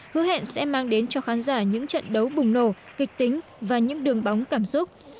hứa hẹn sẽ mang đến cho khán giả những trận đấu bùng nổ kịch tính và những đường bóng cảm xúc